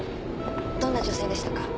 どんな女性でしたか？